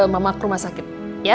mama ke rumah sakit